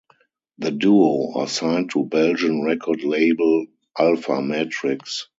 The duo are signed to Belgian record label Alfa Matrix.